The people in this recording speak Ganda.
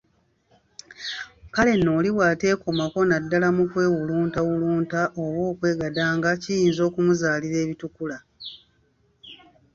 Kale nno oli bwateekomako naddala mu kwewuluntawulunta oba okwegadanga kiyinza okumuzaalira ebitukula